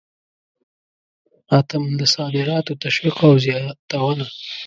اتم: د صادراتو تشویق او زیاتونه.